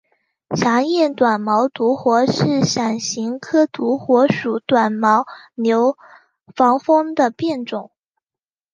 狭叶短毛独活是伞形科独活属短毛牛防风的变种。